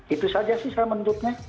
itu saja sih saya menuntutnya